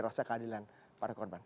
rasa keadilan para korban